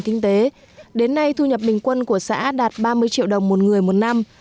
kinh tế đến nay thu nhập bình quân của xã đạt ba mươi triệu đồng một người một năm